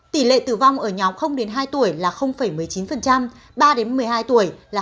tỷ lệ tử vong ở nhóm hai tuổi là một mươi chín ba một mươi hai tuổi là sáu từ một mươi ba một mươi bảy tuổi là chín